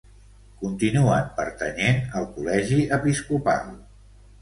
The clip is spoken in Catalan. Continuen pertanyent al Col·legi Episcopal.